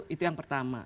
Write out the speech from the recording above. itu yang pertama